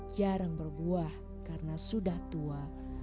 jarang berbuah karena sudah tua